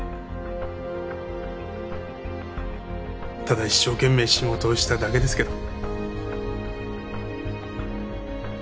ただ一生懸命仕事をしただけですけど。